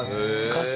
歌詞？